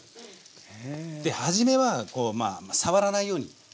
ではじめは触らないように。